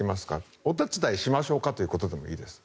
お手伝いしましょうか？ということでもいいです。